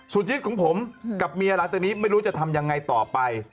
ชีวิตของผมกับเมียหลังจากนี้ไม่รู้จะทำยังไงต่อไป